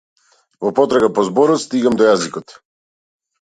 Во потрага по зборот стигам до јазикот.